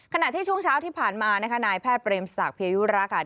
ขณะที่ช่วงเช้าที่ผ่านมานะคะนายแพทย์เปรมศักดิยุระค่ะ